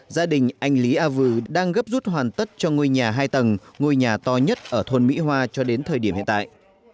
gia đình anh lý a vừ đang gấp rút hoàn tất cho ngôi nhà hai tầng ngôi nhà to nhất ở thôn mỹ hoa cho đến thời điểm hiện tại